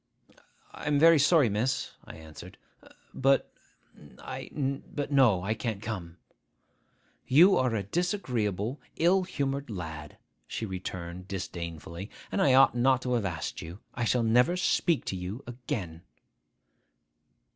'I am very sorry, miss,' I answered; 'but I—but, no; I can't come.' 'You are a disagreeable, ill humoured lad,' she returned disdainfully; 'and I ought not to have asked you. I shall never speak to you again.